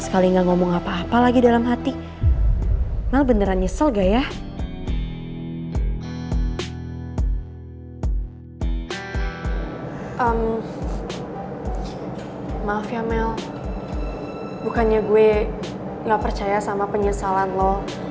salam maaf ya mel bukannya gue gak percaya sama penyesalan lo